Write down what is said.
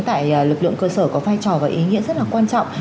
tại lực lượng cơ sở có vai trò và ý nghĩa rất là quan trọng